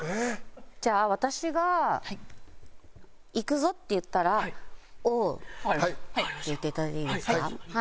じゃあ私が「いくぞ」って言ったら「オー！」言っていただいていいですか？